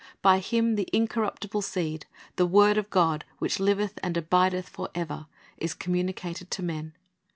By Him the incorruptible seed, "the word of God, which liveth and abideth forever,"^ is communicated to men.